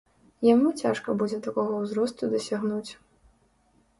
Яму цяжка будзе такога ўзросту дасягнуць.